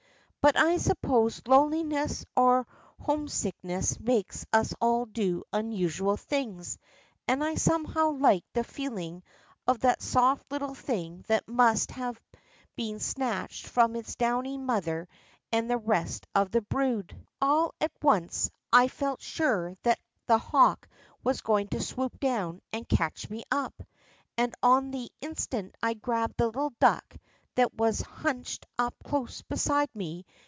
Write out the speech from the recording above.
But I suppose loneliness or homesickness makes us all do unusual things, and I somehow liked the feeling of that soft little thing that must THE BEST OF BOOM A ROOM' S STORY 65 have been snatched from its downy mother and the rest of the brood. All at once, I felt sure that that hawk was going to swoop down and catch me up. And on the instant I grabbed the little duck that was hunched up close beside me.